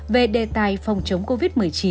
về đề tài phòng chống covid một mươi chín